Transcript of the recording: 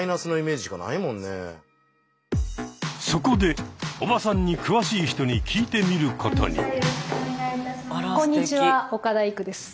そこでおばさんに詳しい人に聞いてみることに。